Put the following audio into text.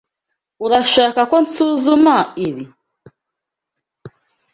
Urashaka ko nsuzuma ibi?